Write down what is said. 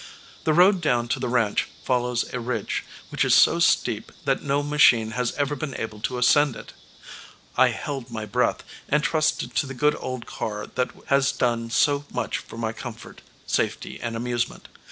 The road down to the ranch follows a ridge, which is so steep that no machine has ever been able to ascend it. I held my breath and trusted to the good old car that has done so much for my comfort, safety and amusement.